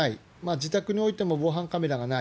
自宅においても防犯カメラがない。